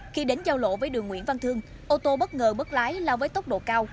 khi đến giao lộ với đường nguyễn văn thương ô tô bất ngờ bất lái lao với tốc độ cao